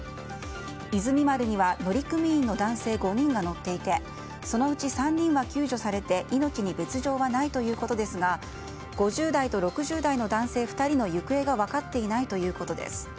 「いずみ丸」には乗組員の男性５人が乗っていてそのうち３人が救助されて命に別条はないということですが５０代と６０代の男性２人の行方が分かっていないということです。